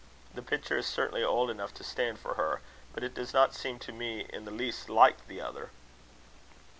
The picture is certainly old enough to stand for her, but it does not seem to me in the least like the other."